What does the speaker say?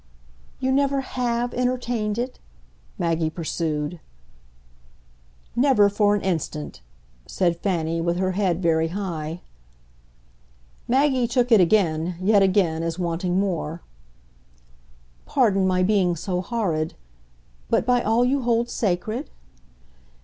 "You never HAVE entertained it?" Maggie pursued. "Never for an instant," said Fanny with her head very high. Maggie took it again, yet again as wanting more. "Pardon my being so horrid. But by all you hold sacred?"